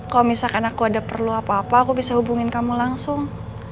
kalau misalkan aku ada perlu apa apa aku bisa hubungin kamu langsung